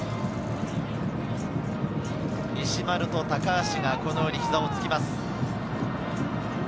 西丸と高橋が膝をつきます。